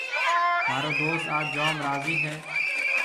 مهارو دوست آج جوم راضِي هيَ۔